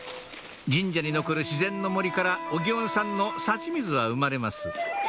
神社に残る自然の森からお祇園さんの幸水は生まれます